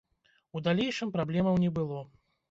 У далейшым праблемаў не было.